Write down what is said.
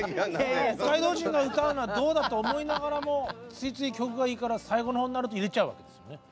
北海道人が歌うのはどうだと思いながらもついつい曲がいいから最後の方になると入れちゃうわけですよ。